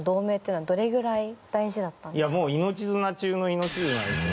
いやもう命綱中の命綱ですよ。